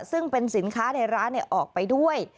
ซึ่งเป็นสินค้าในร้านออกไปด้วย